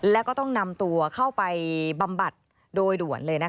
แล้วก็ต้องนำตัวเข้าไปบำบัดโดยด่วนเลย